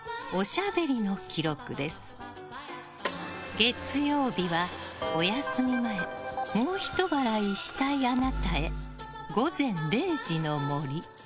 月曜日は、お休み前もうひと笑いしたいあなたへ。